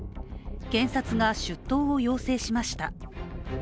検察が出頭を要請しました。